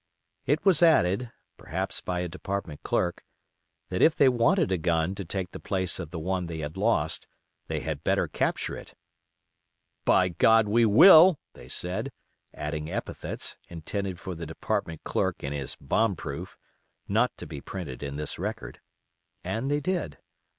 It was added—perhaps by a department clerk—that if they wanted a gun to take the place of the one they had lost, they had better capture it. "By——, we will," they said—adding epithets, intended for the department clerk in his "bomb proof", not to be printed in this record—and they did.